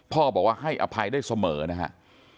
พ่อบอกว่าให้อภัยได้เสมอนะครับ